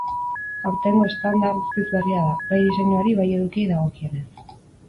Aurtengo stand-a guztiz berria da, bai diseinuari bai edukiei dagokienez.